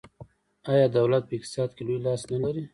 آیا دولت په اقتصاد کې لوی لاس نلري؟